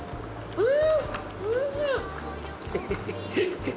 うん。